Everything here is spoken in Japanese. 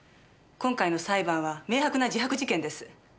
今回の裁判は明白な自白事件です。